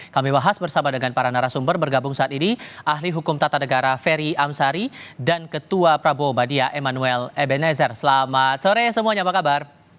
kami bahas bersama dengan para narasumber bergabung saat ini ahli hukum tata negara ferry amsari dan ketua prabowo badia emanuel ebenezer selamat sore semuanya apa kabar